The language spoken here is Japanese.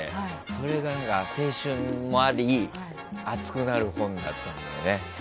それが、青春もあり熱くなる本だったんだよね。